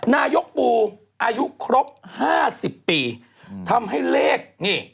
นายกปูอายุครบ๕๐ปีทำให้เลขนี่